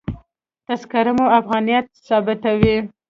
تذکره مو افغانیت ثابتوي.